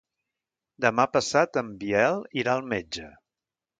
Demà passat en Biel irà al metge.